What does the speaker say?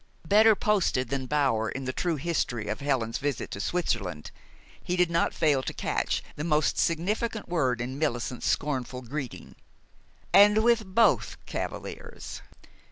Better posted than Bower in the true history of Helen's visit to Switzerland, he did not fail to catch the most significant word in Millicent's scornful greeting. "And with both cavaliers!"